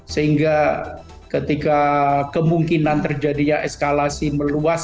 sehingga ketika kemungkinan terjadinya eskalasi meluas